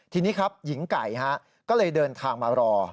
ทีนี้ครับหญิงไก่ก็เลยเดินทางมารอ